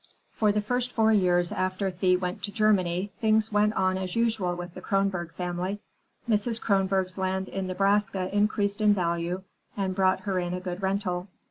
III For the first four years after Thea went to Germany things went on as usual with the Kronborg family. Mrs. Kronborg's land in Nebraska increased in value and brought her in a good rental.